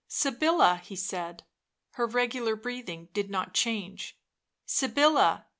" Sybilla," he said. Her regular breathing did not change. " Sybilla."